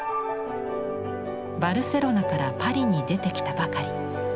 バルセロナからパリに出てきたばかり。